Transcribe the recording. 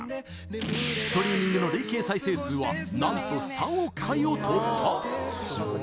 ストリーミングの累計再生数は何と３億回を突破